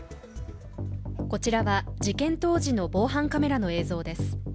こちらは事件当時の防犯カメラの映像です。